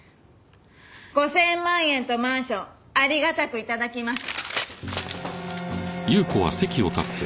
５０００万円とマンションありがたく頂きます。